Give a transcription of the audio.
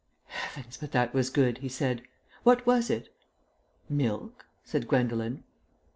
"Heavens, but that was good!" he said. "What was it?" "Milk," said Gwendolen.